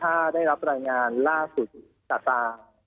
ถ้าได้รับรายงานล่าสุดจากตา